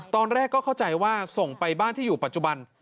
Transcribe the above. ตอนแรกก็เข้าใจว่าส่งไปบ้านที่อยู่ปัจจุบัน